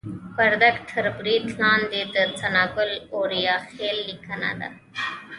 وردګ تر برید لاندې د ثناګل اوریاخیل لیکنه ده